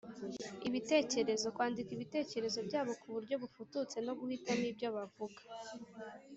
ibitekerezo. Kwandika ibitekerezo byabo ku buryo bufututse no guhitamo ibyo bavuga